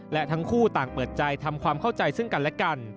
และทั้งคู่ต่างเปิดใจทำความเข้าใจซึ่งกันและกัน